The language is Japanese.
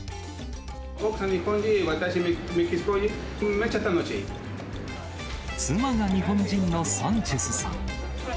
奥さん日本人、私メキシコ人、妻が日本人のサンチェスさん。